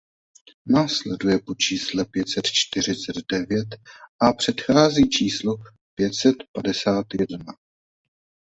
Následuje po čísle pět set čtyřicet devět a předchází číslu pět set padesát jedna.